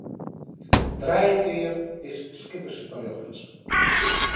Trije kear is skippersrjocht.